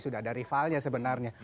sudah ada rivalnya sebenarnya